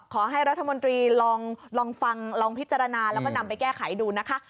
ขอให้รัฐมนตรีลองฟังลองพิจารณาแล้วก็นำไปแก้ไขดูนะคะ